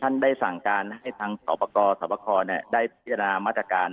ท่านได้สั่งการให้ทางสอบกอร์สอบกอร์เนี่ยได้พิจารณามัตรการ